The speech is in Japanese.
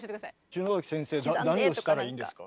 篠崎先生何をしたらいいんですか？